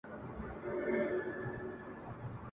له زندانه تر آزادۍ ,